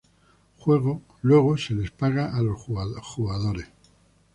Luego se les paga a los jugadores.